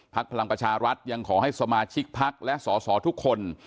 พักภัล์มกัชรัฐยังขอให้สมาชิกพักษ์และศศทุกคน